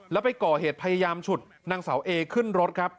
แล้วไปก่อเหตุพยายามฉุดนางสาวเอขึ้นรถครับ